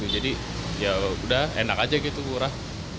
jadi yaudah enak aja gitu kurang